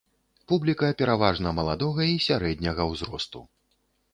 Публіка пераважна маладога і сярэдняга ўзросту.